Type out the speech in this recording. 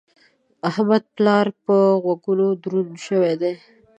د احمد پلار په غوږو دروند شوی دی.